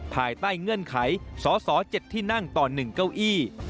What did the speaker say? ภายใต้เงื่อนไขสอเจ็ดที่นั่งต่อหนึ่งเก้าอี้